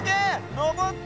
のぼった！